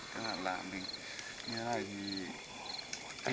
có lẽ chắc là sẽ canh nhau thay nhau không